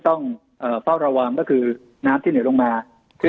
ต้องเอ่อเป้าระวองก็คือน้ำที่เหนือลงมาคือ